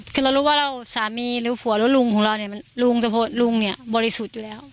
คือเรารู้ว่าเราสามีหรือผัวหรือลุงของเราเนี่ยลุงเนี่ยบริสุทธิ์อยู่แล้ว